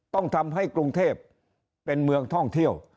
ต้องทำให้กรุงเทพเป็นเมืองท่องเที่ยว